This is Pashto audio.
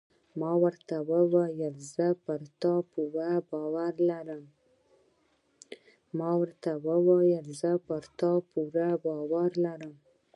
ما ورته وویل: زه پر تا پوره باور لرم.